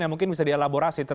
yang mungkin bisa dielaborasi